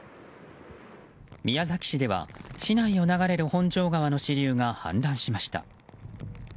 宮崎市では、市内を流れる本庄川の支流が氾濫しました。